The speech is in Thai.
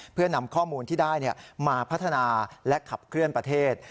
เพื่อนำข้อมูลที่ได้มาพัฒนาและขับเคลื่อนประเทศ